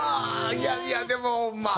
いやいやでもまあ。